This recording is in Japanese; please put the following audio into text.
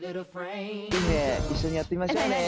一緒にやってみましょうね何？